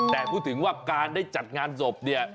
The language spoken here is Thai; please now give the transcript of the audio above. แต่พูดถึงว่าการได้จัดงานศพเนี่ย